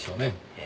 ええ？